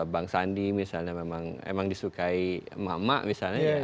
bang sandi misalnya memang disukai emak emak misalnya ya